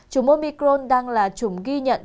chủ mô micron đang là chủng ghi nhận